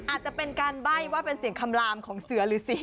อาจจะเป็นการใบ้ว่าเป็นเสียงคำลามของเสือหรือเสียง